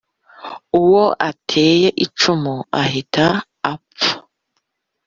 Uwo ateye icumu ahita apfa